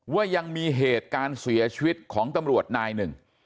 ว่ายังมีเหตุการณ์เสียชีวิตของตำรวจนายหนึ่ง